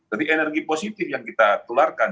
energi positif yang kita tularkan